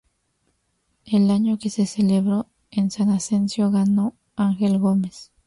El año que se celebró en San Asensio ganó Angel Gómez.